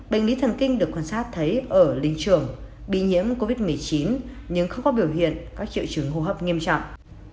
bệnh lý thần kinh được quan sát thấy ở linh trường bị nhiễm covid một mươi chín nhưng không có biểu hiện các triệu chứng hô hấp nghiêm trọng